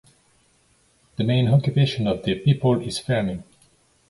The main occupation of the people is farming.